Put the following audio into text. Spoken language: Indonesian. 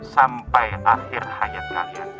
sampai akhir hayat kalian